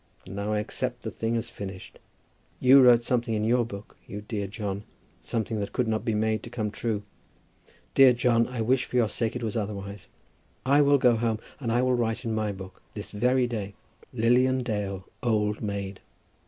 And now I accept the thing as finished. You wrote something in your book, you dear John, something that could not be made to come true. Dear John, I wish for your sake it was otherwise. I will go home and I will write in my book, this very day, Lilian Dale, Old Maid.